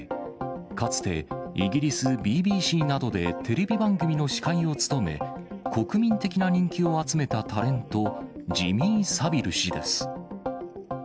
かつてイギリスＢＢＣなどでテレビ番組の司会を務め、国民的な人気を集めたタレント、ジミー・サビル氏です。